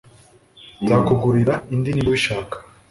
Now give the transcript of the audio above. Nzakugurira indi niba ubishaka.